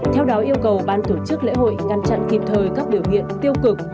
theo đó yêu cầu ban tổ chức lễ hội ngăn chặn kịp thời các biểu hiện tiêu cực